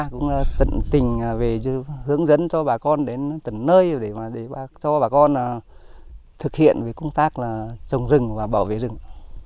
cũng tận tình về hướng dẫn cho bà con đến tận nơi để cho bà con thực hiện công tác là trồng rừng và bảo vệ rừng